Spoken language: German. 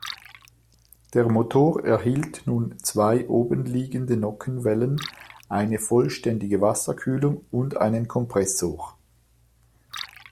Der Motor erhielt nun zwei obenliegende Nockenwellen, eine vollständige Wasserkühlung und einen Kompressor.